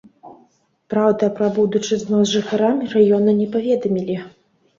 Праўда, пра будучы знос жыхарам раёна не паведамілі.